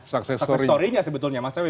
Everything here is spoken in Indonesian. sukses story nya sebetulnya mas ami